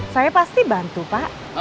saya pasti bantu pak